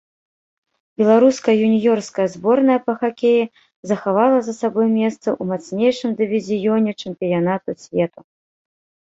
Беларуская юніёрская зборная па хакеі захавала за сабой месца ў мацнейшым дывізіёне чэмпіянату свету.